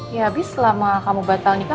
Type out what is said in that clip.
ya habis selama kamu batal nikah